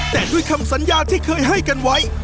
แต่ด้วยคำสัญญาที่เคยให้กันไว้